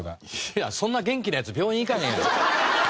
いやそんな元気なヤツ病院行かへんやろ。